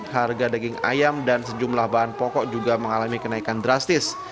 harga daging ayam dan sejumlah bahan pokok juga mengalami kenaikan drastis